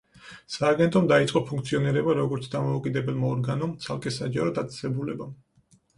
სააგენტომ დაიწყო ფუნქციონირება როგორც დამოუკიდებელმა ორგანომ, ცალკე საჯარო დაწესებულებამ.